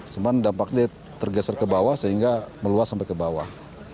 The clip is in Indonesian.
cuma dampaknya tergeser ke bawah sehingga meluas sampai ke bawah